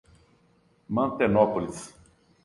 Mantenópolis